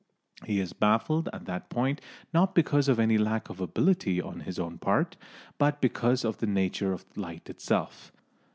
He is baffled at that point not because of any lack of ability on his own part, but because of the nature of light itself.